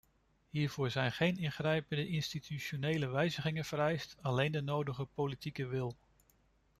Hiervoor zijn geen ingrijpende institutionele wijzigingen vereist, alleen de nodige politieke wil.